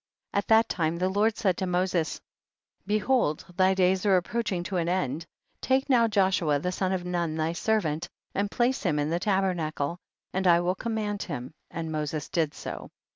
1. At that time the Lord said to Moses, behold thy days are ap proaching to an end, take now Joshua the son of Nun thy servant and place him in the tabernacle, and I will command him, and Moses did so.